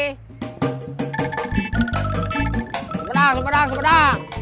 sempedang sepedang sepedang